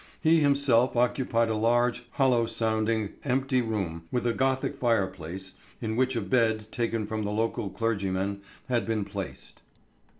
He himself occupied a large hollow sounding, empty room, with a Gothic fireplace, in which a bed, taken from the local clergyman, had been placed.